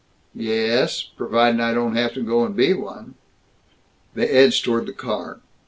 "Ye es, providin' I don't have to go and be one." They edged toward the car.